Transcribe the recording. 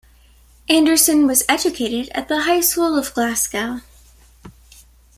Anderson was educated at the High School of Glasgow.